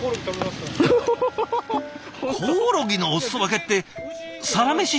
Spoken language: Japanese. コオロギのおすそ分けって「サラメシ」